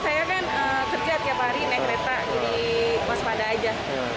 saya kan kerja tiap hari naik kereta jadi waspada aja